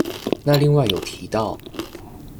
那另外有提到